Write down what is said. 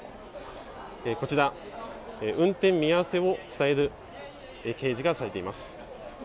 こちら、運転見合わせを伝える掲示がされています。